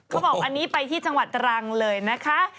เขาบอกอันนี้ไปที่จังหวัดตรังเลยนะคะ